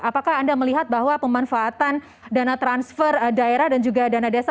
apakah anda melihat bahwa pemanfaatan dana transfer daerah dan juga dana desa